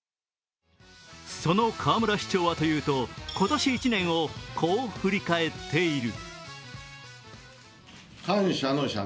その河村市長はというと今年１年をこう振り返っている。